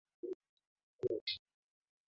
Wanyama wenye minyoo hukohoa na kunyoofika